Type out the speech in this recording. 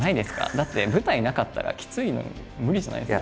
だって舞台なかったらきついの無理じゃないですか？